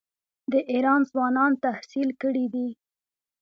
د ایران ځوانان تحصیل کړي دي.